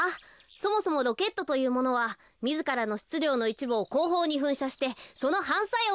そもそもロケットというものはみずからのしつりょうのいちぶをこうほうにふんしゃしてそのはんさようで。